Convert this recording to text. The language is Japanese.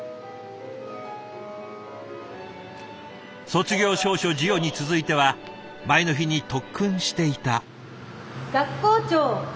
卒業証書授与に続いては前の日に特訓していた。